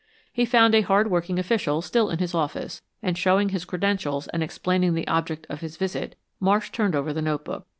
He found a hard working official still in his office, and showing his credentials and explaining the object of his visit, Marsh turned over the notebook.